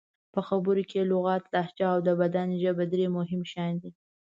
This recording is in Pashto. په خبرو کې لغت، لهجه او د بدن ژبه درې مهم شیان دي.